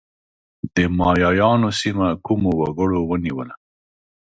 د مایایانو سیمه کومو وګړو ونیوله؟